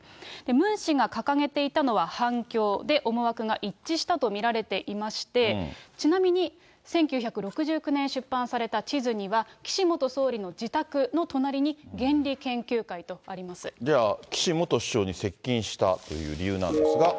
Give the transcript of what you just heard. ムン氏が掲げていたのは反共、で、思惑が一致したと見られていまして、ちなみに１９６９年出版された地図には、岸元総理の自宅の隣に原じゃあ、岸元首相に接近したという理由なんですが。